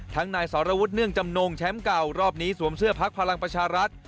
นายสรวุฒิเนื่องจำนงแชมป์เก่ารอบนี้สวมเสื้อพักพลังประชารัฐ